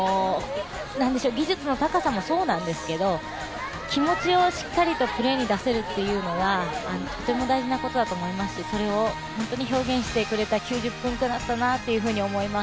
技術の高さもそうなんですけど気持ちをしっかりとプレーに出せるというのはとても大事なことだと思いますし、それを本当に表現してくれた９０分だったなと思います。